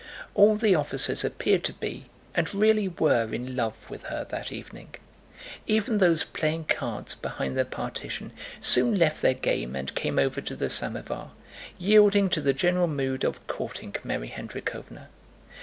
All the officers appeared to be, and really were, in love with her that evening. Even those playing cards behind the partition soon left their game and came over to the samovar, yielding to the general mood of courting Mary Hendríkhovna.